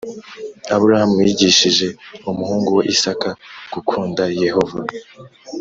Aburahamu yigishije umuhungu we Isaka gukunda Yehova